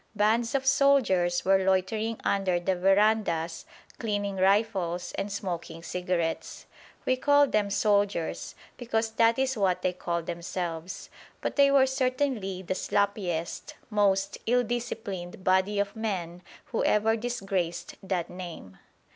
Bands of soldiers were loitering under the verandahs cleaning rifles and smoking cigarettes. We call them soldiers, because that is what they call themselves; but they were certainly the sloppiest, most ill disciplined body of men who ever disgraced that name.